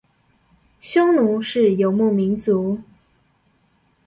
匈奴是游牧民族